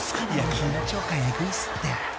［緊張感えぐいっすって］